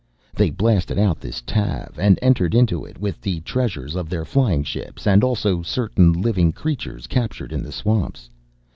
"They blasted out this Tav and entered into it with the treasures of their flying ships and also certain living creatures captured in the swamps.